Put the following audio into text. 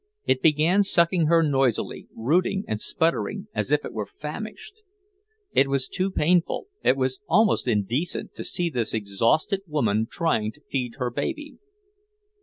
It began sucking her noisily, rooting and sputtering as if it were famished. It was too painful, it was almost indecent, to see this exhausted woman trying to feed her baby.